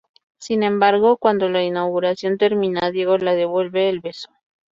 Sin embargo, cuando la inauguración termina, Diego le devuelve el beso.